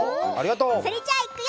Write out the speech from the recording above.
それじゃあ、いくよ。